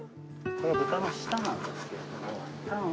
これは豚の舌なんですけれどもタンを。